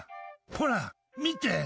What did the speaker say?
ほら見て！